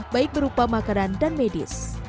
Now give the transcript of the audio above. baik berupa makanan dan medis